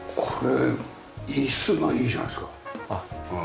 これ椅子がいいじゃないですか。